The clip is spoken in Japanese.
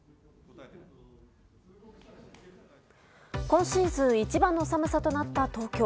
今シーズン一番の寒さとなった東京。